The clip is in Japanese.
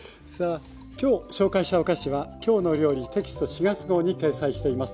今日紹介したお菓子は「きょうの料理」テキスト４月号に掲載しています。